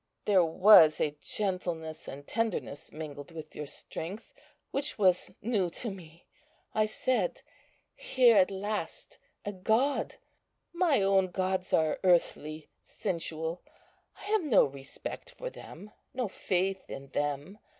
There was a gentleness and tenderness mingled with your strength which was new to me. I said, Here is at last a god. My own gods are earthly, sensual; I have no respect for them, no faith in them.